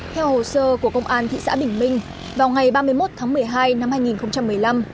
theo hồ sơ của công an thị xã bình minh vào ngày ba mươi một tháng một mươi hai năm hai nghìn một mươi năm